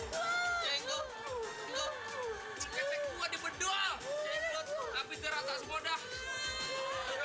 komtek kontek gue dipedul pedul happy terasa semudah